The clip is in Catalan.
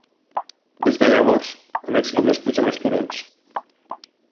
Des de llavors, a Mèxic no es puja més turons.